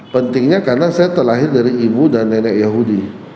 pentingnya karena saya terlahir dari ibu dan nenek yahudi